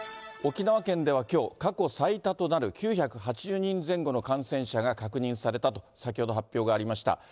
沖縄県ではきょう、過去最多となる９８０人前後の感染者が確認されたと、先ほど発表がありました。